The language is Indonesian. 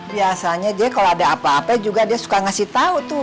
biasanya dia kalau ada apa apa juga dia suka ngasih tau tuh